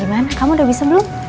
gimana kamu udah bisa belum